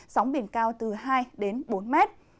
sóng biển cao từ hai bốn mét